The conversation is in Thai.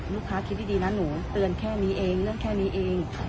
คิดดีนะหนูเตือนแค่นี้เองเรื่องแค่นี้เอง